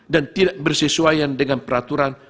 dan tidak bersesuaian dengan peraturan